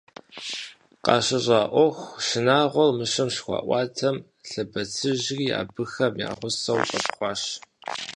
КъащыщӀа Ӏуэху шынагъуэр Мыщэм щыхуаӀуатэм, лъэбыцэжьри абыхэм я гъусэу щӀэпхъуащ.